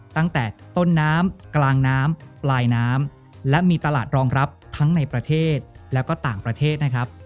ตั้งแต่ต้นน้ำกลางน้ำปลายน้ำและมีตลาดรองรับทั้งในประเทศแล้วก็ต่างประเทศนะครับ